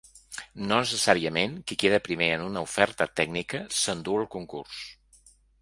No necessàriament qui queda primer en una oferta tècnica s’endú el concurs.